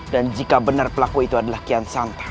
dan jika benar pelaku itu adalah kian santang